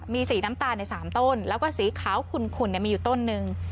มีสีน้ำตาลใน๓ต้นแล้วก็สีขาวขุ่นมีอยู่ต้นหนึ่ง